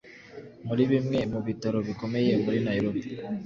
muri bimwe mu bitaro bikomeye muri nairobi